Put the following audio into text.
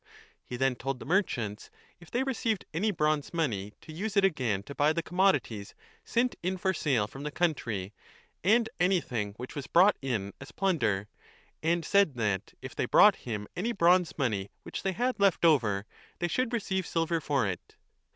He then told the merchants, if they received any bronze money, to use it again to buy the commodities sent in for sale from the country arid anything which was brought in as plunder, and said that, if they brought him any bronze money which they had left over, they should receive silver for it.